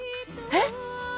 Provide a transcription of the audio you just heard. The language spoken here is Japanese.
えっ？